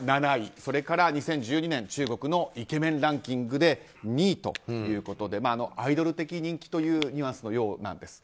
それから、２０１２年の中国のイケメンランキングで２位ということでアイドル的人気というニュアンスのようなんです。